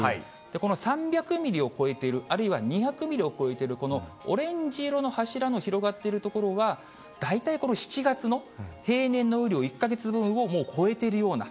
この３００ミリを超えている、あるいは２００ミリを超えている、このオレンジ色の柱の広がっている所は、大体、この７月の平年の雨量を１か月分をもう超えているような。